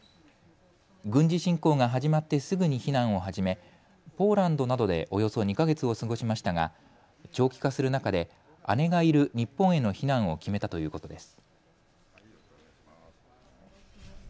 軍事侵攻が始まってすぐに避難を始め、ポーランドなどでおよそ２か月を過ごしましたが長期化する中で姉がいる日本への避難を決めたということです。